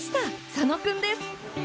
佐野君です。